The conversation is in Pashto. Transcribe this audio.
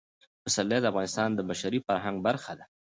پسرلی د افغانستان د بشري فرهنګ برخه ده.